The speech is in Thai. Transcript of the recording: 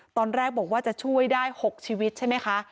ตอนแรกบอกว่าจะช่วยได้๖ชีวิตใช่ไหมคะ